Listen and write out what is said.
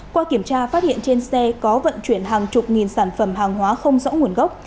qua kiểm tra phát hiện trên xe có vận chuyển hàng chục nghìn sản phẩm hàng hóa không rõ nguồn gốc